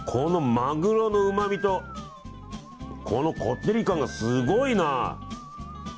マグロのうまみとこってり感がすごいな。